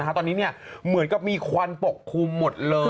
แต่ว่าตอนนี้เหมือนก็มีความปกครุมหมดเลย